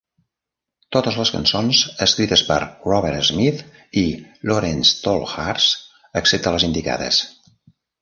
Totes les cançons escrites per Robert Smith i Laurence Tolhurst, excepte les indicades.